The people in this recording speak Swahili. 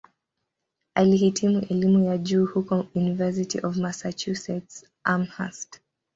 Alihitimu elimu ya juu huko "University of Massachusetts-Amherst".